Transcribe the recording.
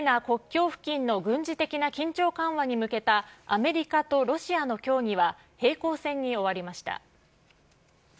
国境付近の軍事的な緊張緩和に向けたアメリカとロシアの協議は、平行線に終わりました。